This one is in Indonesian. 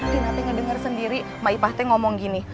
tina t ngedenger sendiri maipa teh ngomong gini